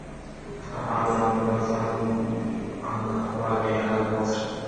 al-Abbas আল-আনবারি al-Basri